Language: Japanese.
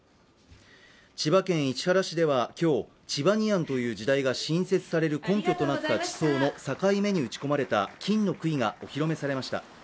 千葉県市原市では今日、チバニアンという時代が新設される根拠となった地層の境目に打ち込まれた金の杭がお披露目されました。